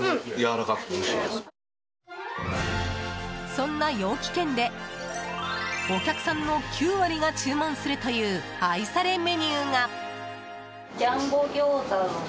そんな陽気軒でお客さんの９割が注文するという愛されメニューが。